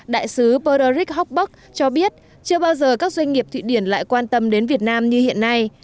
đại sứ berarik hockburg cho biết chưa bao giờ các doanh nghiệp thụy điển lại quan tâm đến việt nam như hiện nay